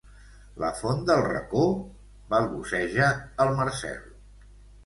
La font del racó? —balbuceja el Marcel.